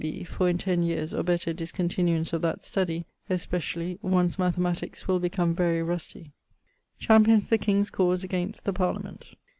B. for in ten yeares' (or better) discontinuance of that study (especially) one's mathematiques will become very rusty. <_Champions the king's cause against the parliament.